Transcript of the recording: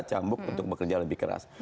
cambuk untuk bekerja lebih keras